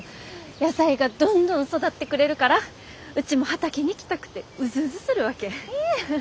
野菜がどんどん育ってくれるからうちも畑に来たくてうずうずするわけ。